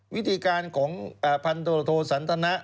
วิธีการของพันธุรโทสันทนะ